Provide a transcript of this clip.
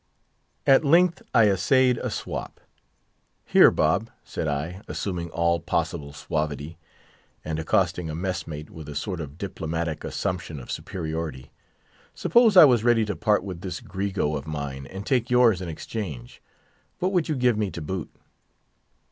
At length I essayed a "swap." "Here, Bob," said I, assuming all possible suavity, and accosting a mess mate with a sort of diplomatic assumption of superiority, "suppose I was ready to part with this 'grego' of mine, and take yours in exchange—what would you give me to boot?"